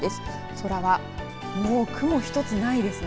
空は雲一つないですね。